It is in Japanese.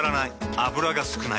油が少ない。